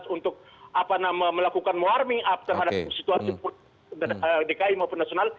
untuk melakukan warming up terhadap situasi dki maupun nasional